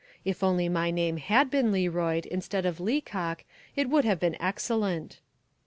If only my name had been Learoyd instead of Leacock it would have been excellent.